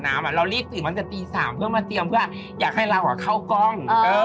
ในตอนนั้นยังไม่ได้ดังเหรอ